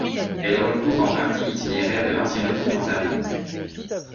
Elle recouvre en partie l'itinéraire de l'ancienne route mandarine.